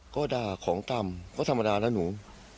ก็ด่าของต่ำก็ธรรมดานะหนู